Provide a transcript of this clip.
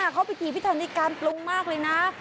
เขาไปทีพิธานิการปลงมากเลยนะ